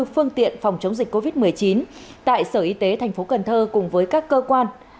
phương tiện phòng chống dịch covid một mươi chín tại sở y tế tp cnh cùng với các cơ quan